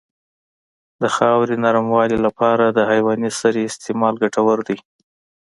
د خاورې نرموالې لپاره د حیواني سرې استعمال ګټور دی.